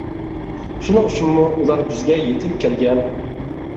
شۇنىڭ ئۈچۈنمۇ ئۇلار بىزگە يېتىپ كەلگەن.